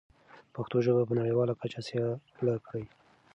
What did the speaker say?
پښتو ژبه په نړیواله کچه سیاله کړئ.